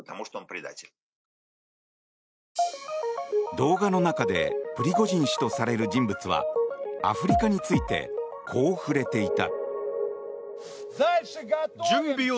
動画の中でプリゴジン氏とされる人物はアフリカについてこう触れていた。